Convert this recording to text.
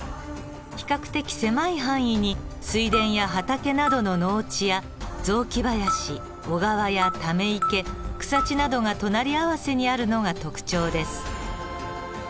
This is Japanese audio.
比較的狭い範囲に水田や畑などの農地や雑木林小川やため池草地などが隣り合わせにあるのが特徴です。